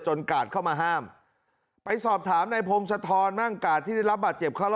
กาดเข้ามาห้ามไปสอบถามในพงศธรมั่งกาดที่ได้รับบาดเจ็บเข้ารอบ